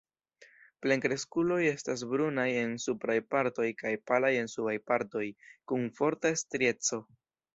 Plenkreskuloj estas brunaj en supraj partoj kaj palaj en subaj partoj, kun forta strieco.